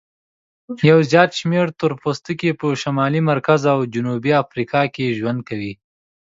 یو زیات شمیر تور پوستکي په شمالي، مرکزي او جنوبي امریکا کې ژوند کوي.